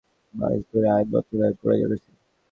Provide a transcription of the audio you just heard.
ফলে আইনের খসড়াটি প্রায় সাত মাস ধরে আইন মন্ত্রণালয়েই পড়ে রয়েছে।